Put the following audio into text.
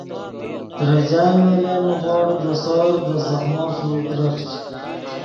ترے جال ملن نیغوڑ دے سور دے ځخمو ݰوئے ترخچ